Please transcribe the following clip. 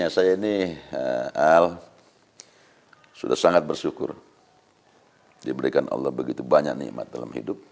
saya ini al sudah sangat bersyukur diberikan allah begitu banyak nikmat dalam hidup